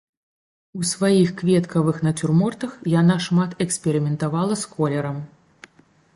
У сваіх кветкавых нацюрмортах яна шмат эксперыментавала з колерам.